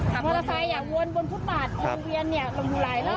ข่าวแล้วก็ไปวิ่งอยู่ข้างนอก